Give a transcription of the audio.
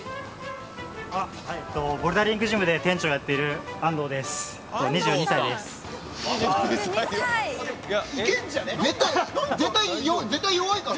ボルダリングジムで店長をやっている絶対、弱いから。